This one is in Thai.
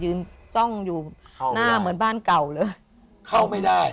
จ้องอยู่หน้าเหมือนบ้านเก่าเลยเข้าไม่ได้